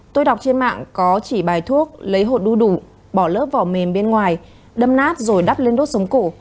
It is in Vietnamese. tôi đọc trên mạng có chỉ bài thuốc lấy hột đu đủ bỏ lớp vỏ mềm bên ngoài đâm nát rồi đắp lên đốt súng củ